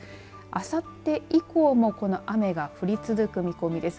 あさって以降は、もうこの雨が降り続く見込みです。